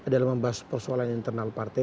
dalam membahas persoalan internal partai